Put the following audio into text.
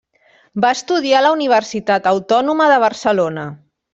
Va estudiar a la Universitat Autònoma de Barcelona.